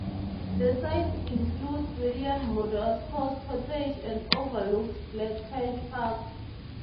The site includes William Murdoch's cottage and overlooks Black Patch Park.